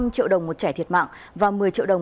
năm triệu đồng một trẻ thiệt mạng và một mươi triệu đồng